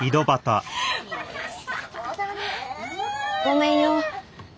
ごめんよ。